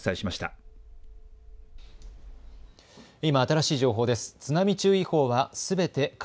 今、新しい情報です。